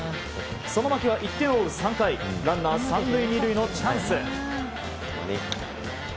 その牧は１点を追うランナー３塁２塁のチャンス。